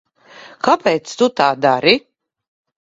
Kāpēc tu tā dari?